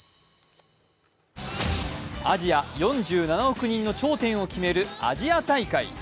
アジア５７億人の頂点を決めるアジア大会。